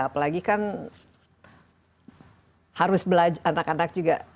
apalagi kan harus belajar anak anak juga